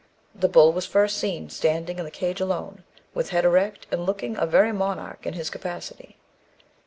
"The bull was first seen, standing in the cage alone, with head erect, and looking a very monarch in his capacity.